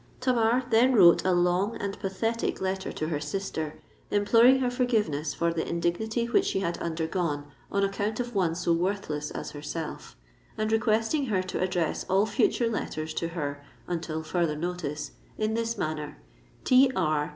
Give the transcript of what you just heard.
Tamar then wrote a long and pathetic letter to her sister, imploring her forgiveness for the indignity which she had undergone on account of one so worthless as herself; and requesting her to address all future letters to her (until further notice) in this manner:—"_T. R.